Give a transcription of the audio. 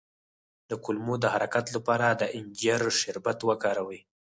د کولمو د حرکت لپاره د انجیر شربت وکاروئ